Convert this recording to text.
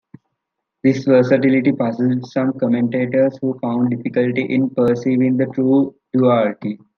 This versatility puzzled some commentators, who found difficulty in perceiving the true Duarte.